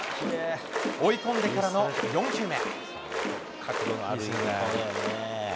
追い込んでからの４球目。